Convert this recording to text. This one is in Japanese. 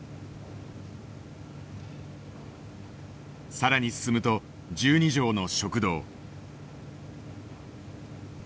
更に進むと１２畳の食堂。